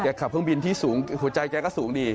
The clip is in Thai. ขับเครื่องบินที่สูงหัวใจแกก็สูงดี